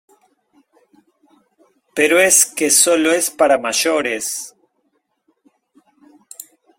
pero es que solo es para mayores .